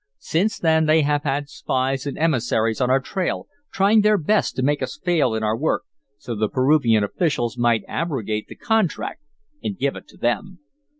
Since then they have had spies and emissaries on our trail, trying their best to make us fail in our work, so the Peruvian officials might abrogate the contract and give it to them.